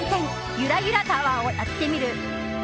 ゆらゆらタワーをやってみる。